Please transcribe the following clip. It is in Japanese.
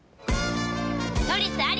「トリス」あり！